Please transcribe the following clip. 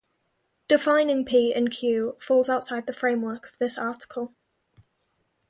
Defining P and Q falls outside the framework of this article.